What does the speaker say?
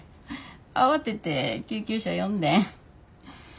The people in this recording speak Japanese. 慌てて救急車呼んでん。